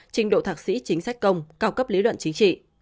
trình độ thạc sĩ chính sách công cao cấp lý luận chính trị